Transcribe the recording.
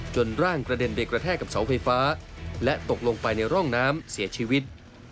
ร่างกระเด็นไปกระแทกกับเสาไฟฟ้าและตกลงไปในร่องน้ำเสียชีวิต